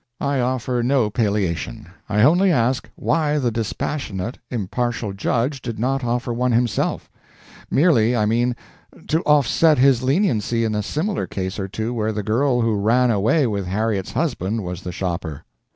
I offer no palliation; I only ask why the dispassionate, impartial judge did not offer one himself merely, I mean, to offset his leniency in a similar case or two where the girl who ran away with Harriet's husband was the shopper.